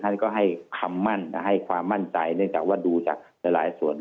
ท่านก็ให้ความมั่นใจเนื่องจากว่าดูในหลายส่วนไม่มี